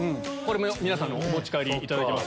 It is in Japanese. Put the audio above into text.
皆さんお持ち帰りいただけます。